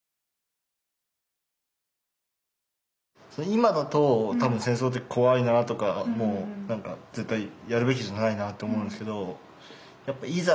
今だと多分戦争って怖いなとか絶対やるべきじゃないなって思うんですけどいざ